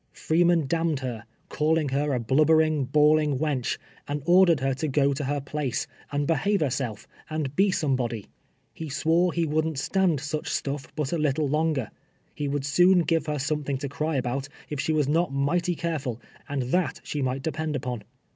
Freeman damned her, calling lier a bluhbering, bawling wench, and ordered her to go to her place, and behave herself, and be somebody. lie swore he wouldn't stand such stutf but a little longer. lie wouhl situn give her something to cry about, if she was not mighty careful, and tlmt she might depend upon.